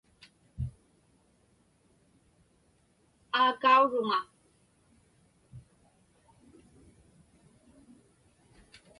Aakauruŋa.